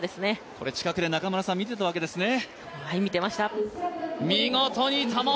これを近くで中村さんは見ていたわけですね。